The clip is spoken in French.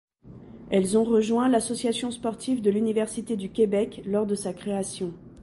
Elles ont rejoint l'Association sportive de l'Université du Québec lors de sa création.